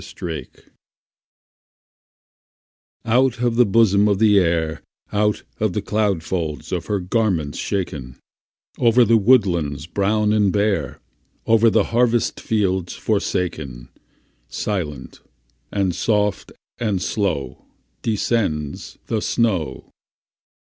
SNOW FLAKES Out of the bosom of the Air, Out of the cloud folds of her garments shaken, Over the woodlands brown and bare, Over the harvest fields forsaken, Silent, and soft, and slow Descends the snow.